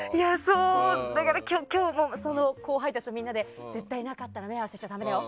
今日も後輩たちとみんなで絶対になかったら目を合わせちゃだめだよ。